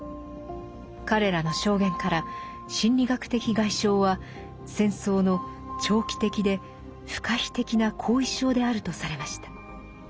彼らの証言から心理学的外傷は戦争の長期的で不可避的な後遺症であるとされました。